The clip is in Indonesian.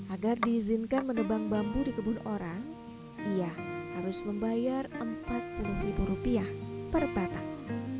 agar diizinkan menebang bambu di kebun orang ia harus membayar empat puluh ribu rupiah per batang